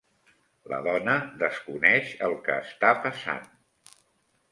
La dona desconeix el que està passant.